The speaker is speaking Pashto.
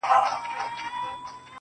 دواړه لاسه يې کړل لپه.